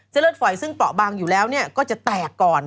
เลือดฝอยซึ่งเปราะบางอยู่แล้วก็จะแตกก่อน